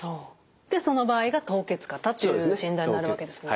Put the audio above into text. でその場合が凍結肩という診断になるわけですよね。